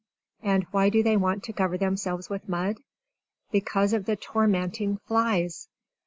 And why do they want to cover themselves with mud? Because of the tormenting flies!